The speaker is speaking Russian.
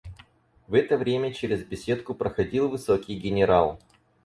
В это время через беседку проходил высокий генерал.